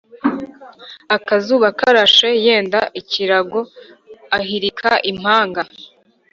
akazuba karashe, yenda ikirago ahirika impanga